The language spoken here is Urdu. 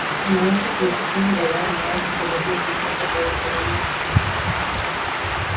انگلینڈ کی کرکٹ ٹیم رواں ماہ جنوبی افریقہ کا دورہ کرے گی